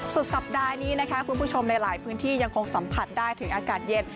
สุดสัปดาห์นี้นะคะคุณผู้ชมในหลายพื้นที่ยังคงสัมผัสได้ถึงอากาศเย็น